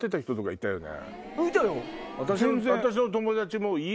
いたよね！